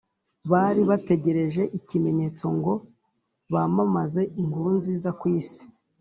Bari bategereje ikimenyetso ngo bamamaze inkuru nziza kw’isi.